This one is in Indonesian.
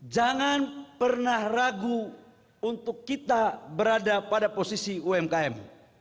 jangan pernah ragu untuk kita berada pada posisi umkm